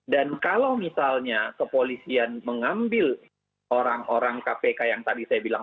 dan kalau misalnya kepolisian mengambil orang orang kpk yang tadi saya bilang